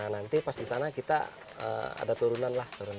nanti pas di sana kita ada turunan lah